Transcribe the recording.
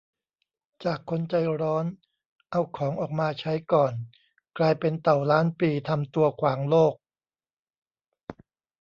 จากคนใจร้อน เอาของออกมาใช้ก่อน กลายเป็นเต่าล้านปี ทำตัวขวางโลก